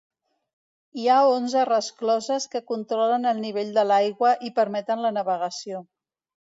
Hi ha onze rescloses que controlen el nivell de l'aigua i permeten la navegació.